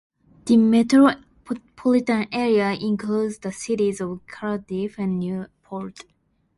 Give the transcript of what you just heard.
The metropolitan area includes the cities of Cardiff and Newport.